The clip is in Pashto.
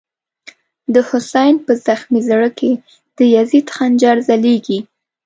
د «حسین» په زغمی زړه کی، د یزید خنجر ځلیږی